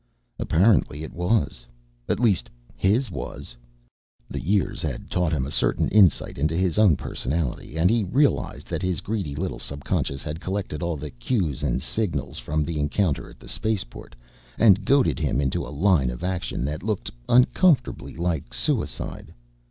Apparently it was. At least his was. The years had taught him a certain insight into his own personality and he realized that his greedy little subconscious had collected all the cues and signals from the encounter at the spaceport and goaded him into a line of action that looked uncomfortably like suicide.